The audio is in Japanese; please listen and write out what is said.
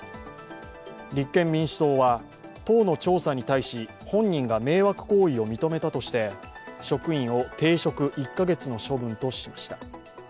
立憲民主党は党の調査に対し、本人が迷惑行為を認めたとして、職員を停職１カ月の処分としました。